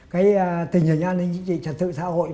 cái tình hình an ninh chính trị trật tự xã hội